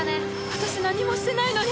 私何もしてないのに。